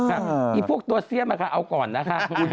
ไอ้พวกตัวเซียมค่ะเอาก่อนนะคะ